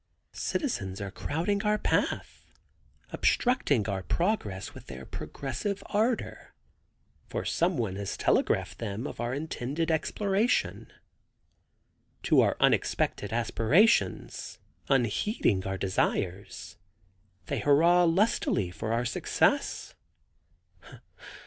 Citizens are crowding our path; obstructing our progress by their progressive ardor, for some one has telegraphed them of our intended exploration; to our unexpected aspirations, unheeding our desires, they hurrah lustily for our success.